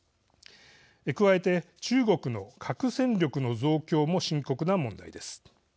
加えて、中国の核戦力の増強も深刻な問題です。